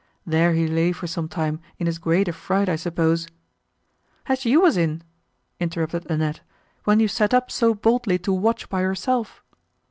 There he lay for some time in as great a fright, I suppose—" "As you were in," interrupted Annette, "when you sat up so boldly to watch by yourself."